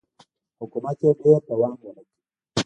حکومت یې ډېر دوام ونه کړ